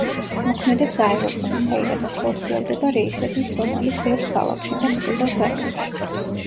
მოქმედებს აეროპორტი, საიდანაც ხორციელდება რეისები სომალის ბევრ ქალაქში და მეზობელ ქვეყნებში.